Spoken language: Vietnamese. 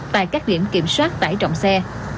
tại các điểm kiểm soát tải trọng xe